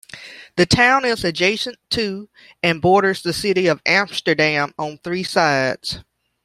The town is adjacent to and borders the city of Amsterdam on three sides.